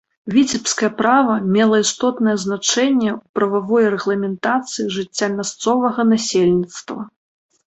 Віцебскае права мела істотнае значэнне ў прававой рэгламентацыі жыцця мясцовага насельніцтва.